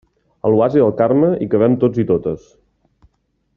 A l'Oasi del Carme hi cabem tots i totes.